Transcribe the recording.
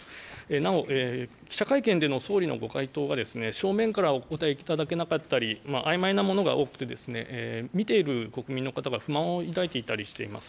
なお、記者会見での総理のご回答は正面からお答えいただけなかったり、あいまいなものが多くてですね、見ている国民の方が不満を抱いていたりしています。